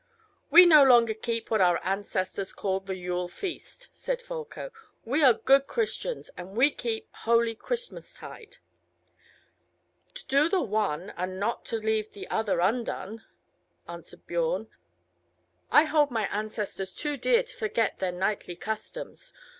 "We no longer keep what our ancestors called the Yule feast," said Folko; "we are good Christians, and we keep holy Christmas tide." "To do the one, and not to leave the other undone," answered Biorn. "I hold my ancestors too dear to forget their knightly customs.